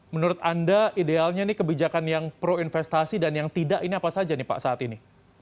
menurut anda idealnya ini kebijakan yang pro investasi dan yang tidak ini apa saja nih pak saat ini